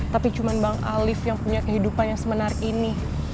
tapi cuma bang alif yang punya kehidupan yang semenar ini